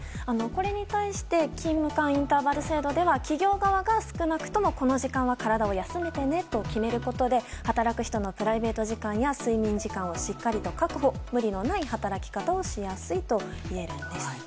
これに対して勤務間インターバル制度では少なくともこの時間は体を休めてねと決めることで働く人のプライベート時間や睡眠時間をしっかりと確保して無理のない働き方をしやすいといえるんです。